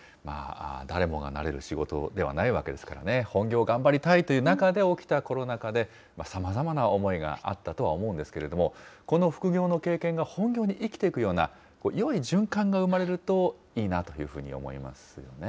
誰もがなれる仕事ではないわけですからね、本業頑張りたいという中で起きたコロナ禍で、さまざまな思いがあったとは思うんですけれども、この副業の経験が本業に生きていくような、よい循環が生まれるといいなというふうに思いますね。